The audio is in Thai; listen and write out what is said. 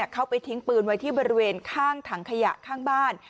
เขาไปทิ้งปืนไว้ที่บริเวณข้างถังขยะข้างบ้าน